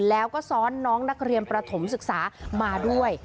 แล้วก็ซ้อนน้องนักเรียนประถมศึกษามาด้วย